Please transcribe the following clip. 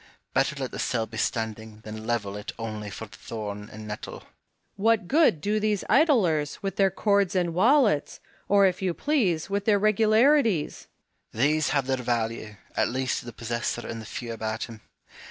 Better let the cell be standing, than level it only for the thorn and nettle. Home. What good do these idlers with their cords and wallets, or, if you please, with their regularities 1 Hume. These have their value, at least to the possessor and the few about him.